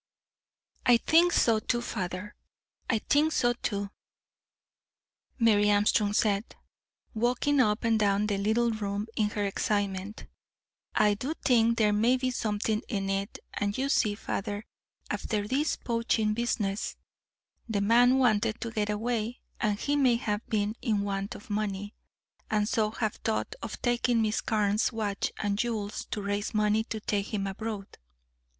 "I think so too, father; I think so too," Mary Armstrong said, walking up and down the little room in her excitement. "I do think there may be something in it; and you see, father, after this poaching business, the man wanted to get away, and he may have been in want of money, and so have thought of taking Miss Carne's watch and jewels to raise money to take him abroad."